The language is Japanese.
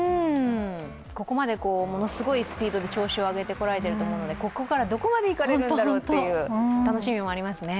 ここまでものすごいスピードで調子を上げてこられていると思うのでここからどこまで行かれるんだろうという楽しみもありますね。